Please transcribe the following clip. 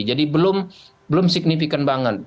jadi belum belum signifikan banget